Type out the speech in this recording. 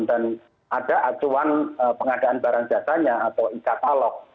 dan ada acuan pengadaan barang jasanya atau e katalog